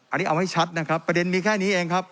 อันนี้เอาให้ชัดนะครับประเด็นมีแค่นี้เองครับ